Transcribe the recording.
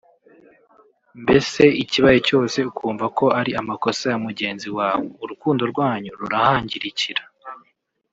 mbese ikibaye cyose ukumva ko ari amakosa ya mugenzi wawe urukundo rwanyu rurahangirikira